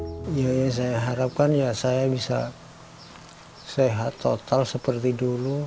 saya harapkan saya bisa sehat total seperti dulu